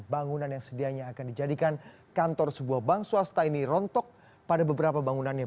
bangunan yang sedianya akan dijadikan kantor sebuah bank swasta ini rontok pada beberapa bangunannya